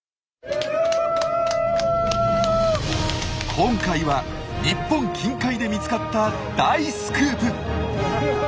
今回は日本近海で見つかった大スクープ！